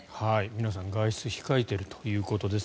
皆さん、外出控えているということです。